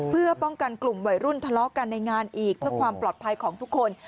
เพื่อป้องกันกลุ่มวัยรุ่นทะเลาะกันในงานอีกเพื่อความปลอดภัยของทุกคน